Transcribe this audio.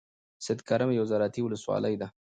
سیدکرم یوه زرعتی ولسوالۍ ده.